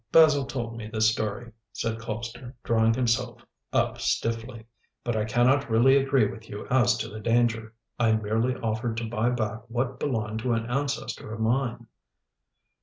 "Basil told me the story," said Colpster, drawing himself up stiffly; "but I cannot really agree with you as to the danger. I merely offered to buy back what belonged to an ancestor of mine."